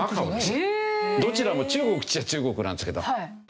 どちらも中国っちゃ中国なんですけど。